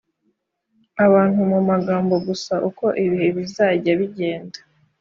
abantu mu magambo gusa uko ibihe bizajya bigenda.